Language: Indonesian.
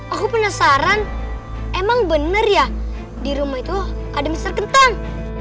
aku penasaran emang bener ya di rumah itu ada mister ketan